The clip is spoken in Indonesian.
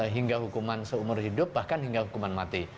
hingga hukuman seumur hidup bahkan hingga hukuman mati